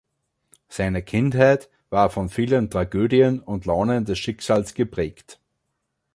Seine Kindheit war von vielen Tragödien und Launen des Schicksals geprägt.